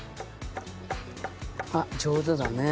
あっ上手だね。